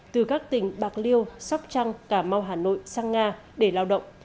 từ các tỉnh bạc liêu sóc trăng cà mau hà nội sang nga để lao động